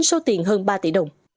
số tiền hơn ba tỷ đồng